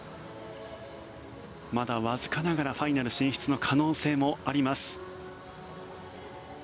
まだわずかながらファイナル進出の可能性もあります。